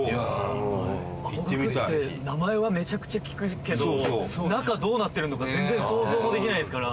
青学って名前はめちゃくちゃ聞くけど中どうなってるのか全然想像もできないですから。